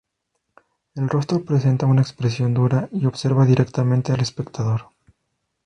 El rostro presenta una expresión dura y observa directamente al espectador.